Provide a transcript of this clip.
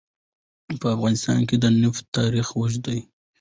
په افغانستان کې د نفت تاریخ اوږد دی.